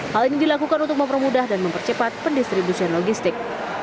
hal ini dilakukan untuk mempermudah dan mempercepat pendistribusian logistik